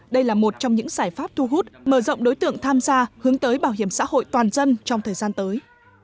đây là một trong những giải pháp thu hút mở rộng đối tượng tham gia hướng tới bảo hiểm xã hội toàn dân trong thời gian tới